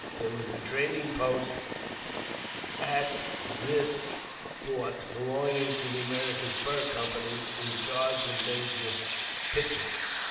There was a trading post at this fort, belonging to the American Fur Company, in charge of Major Pitcher.